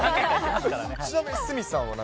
ちなみに鷲見さんは何？